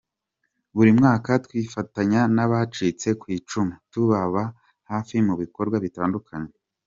Buri mwaka twifatanya n’abacitse ku icumu tubaba hafi mu bikorwa bitandukanye.